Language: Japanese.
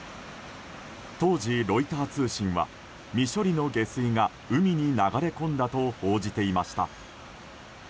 当時、ロイター通信は未処理の下水が海に流れ込んだと報じていました。